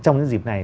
trong những dịp này